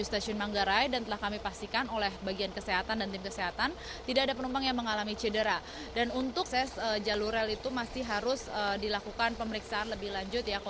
tidak ada penumpang yang cedera